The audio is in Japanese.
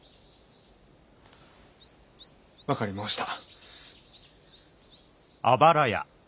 分かり申した。